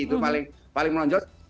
itu paling menonjol